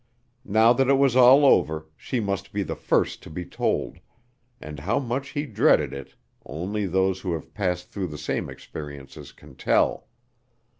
Now that it was all over, she must be the first to be told, and how much he dreaded it only those who have passed through the same experiences can tell.